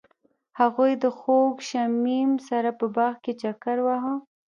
هغوی د خوږ شمیم سره په باغ کې چکر وواهه.